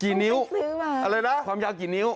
จริงความยาวกี่นิ้วอะไรนะความยาวกี่นิ้ว